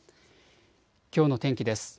きょうの天気です。